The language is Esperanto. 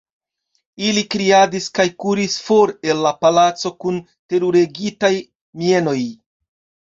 Ili kriadis kaj kuris for el la palaco kun teruregitaj mienoj!